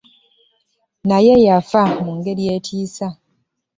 Naye yafa mungeri etiisa .